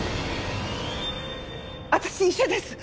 私医者です。